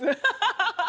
ハハハハハ！